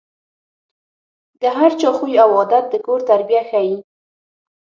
د هر چا خوی او عادت د کور تربیه ښيي.